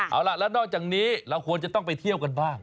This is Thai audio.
เอาล่ะแล้วนอกจากนี้เราควรจะต้องไปเที่ยวกันบ้าง